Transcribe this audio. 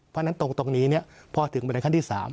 เพราะฉะนั้นตรงนี้เนี่ยพอถึงในขั้นที่๓